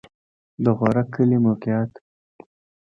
د غورک کلی موقعیت